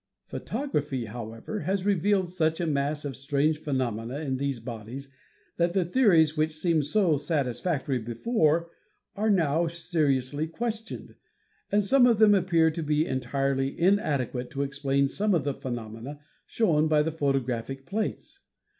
Photography, however, has revealed such a mass of strange phenomena in these bodies that the theories which seemed so satisfactory before are now seriously questioned, and some of them appear to be entirely inadequate to explain some of the phenomena shown by the photographic plates.